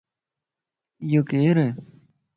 اھو ڪيرائي؟